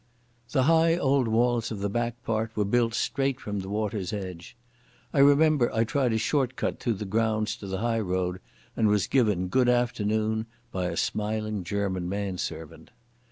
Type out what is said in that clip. The high old walls of the back part were built straight from the water's edge. I remember I tried a short cut through the grounds to the high road and was given "Good afternoon' by a smiling German manservant.